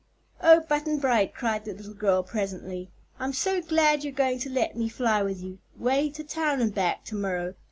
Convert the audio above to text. "Oh, Button Bright!" cried the little girl, presently; "I'm so glad you're going to let me fly with you way to town and back to morrow.